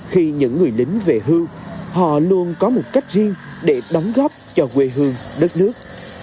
khi những người lính về hưu họ luôn có một cách riêng để đóng góp cho quê hương đất nước